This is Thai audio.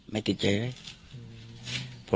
ไม่ติดใจเลย